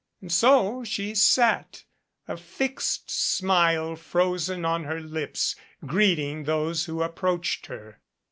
And so she sat, a fixed smile frozen on her lips, greeting those who approached her.